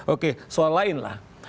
oke soal lain lah